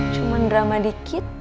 cuman drama dikit